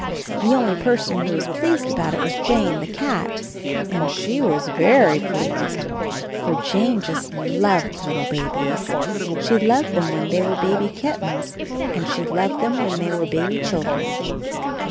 The only person who was pleased about it was Jane, the cat, and she was very pleased. For Jane just loved little babies. She loved them when they were baby kittens and she loved them when they were baby children.